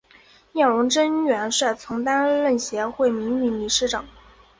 聂荣臻元帅曾担任协会名誉理事长。